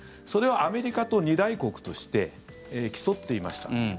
それは、アメリカと二大国として競っていました。